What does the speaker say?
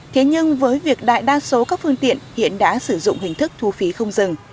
thế nhưng với việc đại đa số các phương tiện hiện đã sử dụng hình thức thu phí không dừng